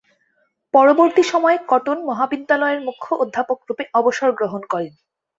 পরবর্তী সময়ে কটন মহাবিদ্যালয়ের মুখ্য অধ্যাপক রুপে অবসর গ্রহণ করেন।